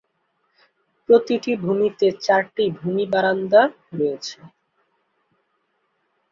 প্রতিটি ভূমিতে চারটি ভূমি বারান্দা রয়েছে।